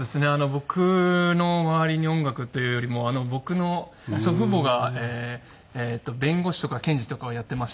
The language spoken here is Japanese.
僕の周りに音楽というよりも僕の祖父母が弁護士とか検事とかをやっていまして。